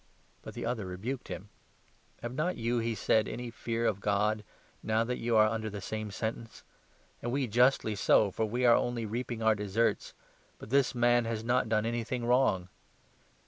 But the other rebuked him. 40 " Have not you," he said, "any fear of God, now that you are under the same sentence ? And we justly so, for we are 41 only reaping our deserts, but this man has not done anything wrong.